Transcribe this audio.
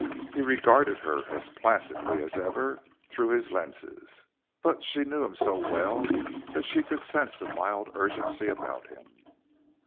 He regarded her as placidly as ever through his lenses, but she knew him so well that she could sense a mild urgency about him.